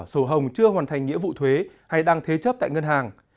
sổ hồng chưa hoàn thành nghĩa vụ thuế hay đang thế chấp tại ngân hàng